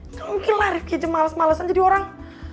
gak mungkin lah rifqi aja males malesan jadi orang